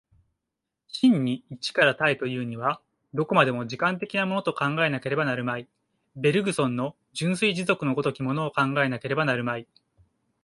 真に一から多へというには、どこまでも時間的なものと考えなければなるまい、ベルグソンの純粋持続の如きものを考えなければなるまい。